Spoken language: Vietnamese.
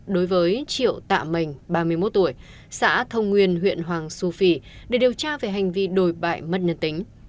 đối với triệu tạ mình ba mươi một tuổi xã thông nguyên huyện hoàng su phi để điều tra về hành vi đồi bại mất nhân tính